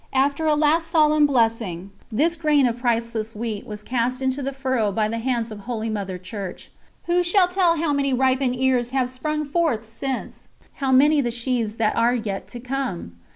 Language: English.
After a last solemn blessing, this grain of priceless wheat was cast into the furrow by the hands of Holy Mother Church. Who shall tell how many ripened ears have sprung forth since, how many the sheaves that are yet to come?